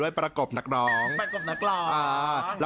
วันนี้เกี่ยวกับกองถ่ายเราจะมาอยู่กับว่าเขาเรียกว่าอะไรอ่ะนางแบบเหรอ